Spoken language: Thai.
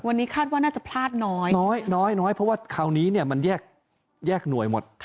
วันนี้คาดว่าน่าจะพลาดน้อยน้อยเพราะว่าคราวนี้เนี่ยมันแยกหน่วยหมด